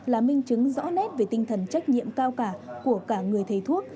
là minh chứng rõ nét về tinh thần trách nhiệm cao cả của cả người thầy thuốc